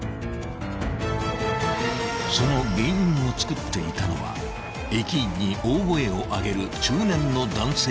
［その原因をつくっていたのは駅員に大声を上げる中年の男性だった］